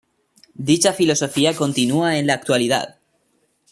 Dicha filosofía continúa en la actualidad.